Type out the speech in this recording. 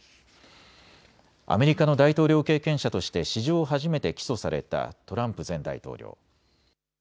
アメリカの大統領経験者として史上初めて起訴されたトランプ前大統領。